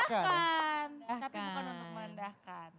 tapi bukan untuk merendahkan